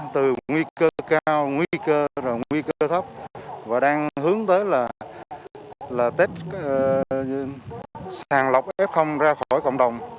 từ nguy cơ cao nguy cơ rồi nguy cơ thấp và đang hướng tới là test sàn lọc f ra khỏi cộng đồng